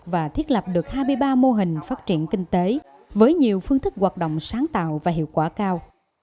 và thiết lập được hai mươi ba mô hình phát triển kinh tế với nhiều phương thức hoạt động sáng tạo và hiệu quả cao